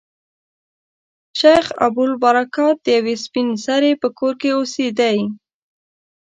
شیخ ابوالبرکات د یوې سپین سري په کور کې اوسېدی.